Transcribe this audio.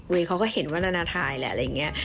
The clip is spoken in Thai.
เขาก็เห็นว่านานาทายแหละอะไรอย่างนี้